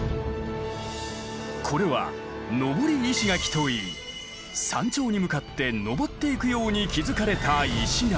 これは「登り石垣」といい山頂に向かって登っていくように築かれた石垣。